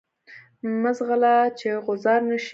مه ځغله چی غوځار نه شی.